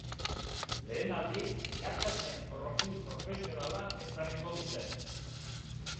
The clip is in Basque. Lehen aldiz, irakasleen profil profesionala ezarriko dute.